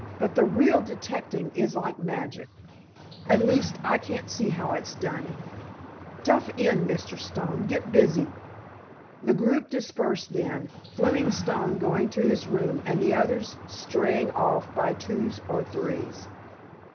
But the real detecting is like magic. At least, I can't see how it's done. Duff in, Mr. Stone. Get busy." The group dispersed then, Fleming Stone going to his room and the others straying off by twos or threes.